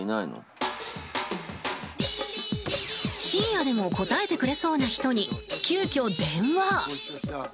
深夜でも応えてくれそうな人に急きょ電話。